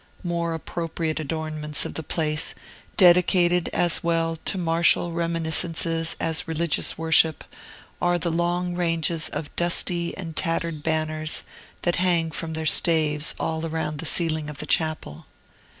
More appropriate adornments of the place, dedicated as well to martial reminiscences as religious worship, are the long ranges of dusty and tattered banners that hang from their staves all round the ceiling of the chapel.